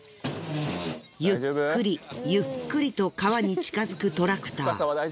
ゆっくりゆっくりと川に近づくトラクター。